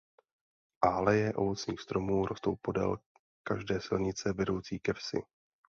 Aleje ovocných stromů rostou podél každé silnice vedoucí ke vsi.